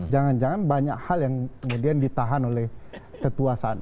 jangan jangan banyak hal yang kemudian ditahan oleh kekuasaan